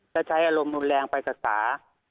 ก็ใช้อารมณ์อุ่นแรงไปกับสา